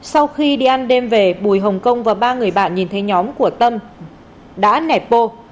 sau khi đi ăn đêm về bùi hồng công và ba người bạn nhìn thấy nhóm của tâm đã nẹt bô